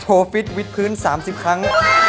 ฟิตวิดพื้น๓๐ครั้ง